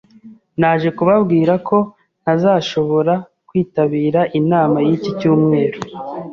Naje kubabwira ko ntazashobora kwitabira inama y'iki cyumweru.